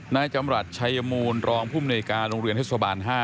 นายจำรัฐชัยมูลรองภูมิหน่วยการโรงเรียนเทศบาล๕